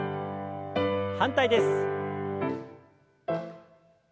反対です。